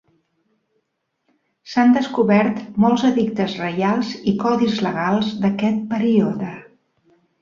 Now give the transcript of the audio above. S'han descobert molts edictes reials i codis legals d'aquest període.